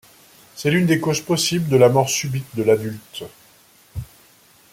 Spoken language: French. C'est l'une des causes possibles de la mort subite de l'adulte.